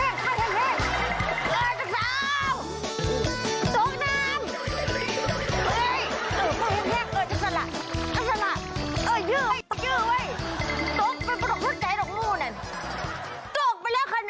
เฮ้ยเออจักรสาว